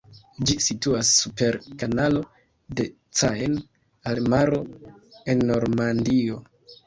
Ĝi situas super Kanalo de Caen al Maro, en Normandio.